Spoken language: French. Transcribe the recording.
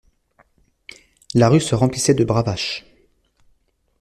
La rue se remplissait de bravaches.